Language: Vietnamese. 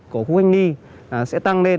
của khu canh đi sẽ tăng lên